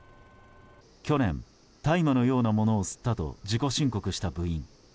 去年大麻のようなものを吸ったと自己申告した部員。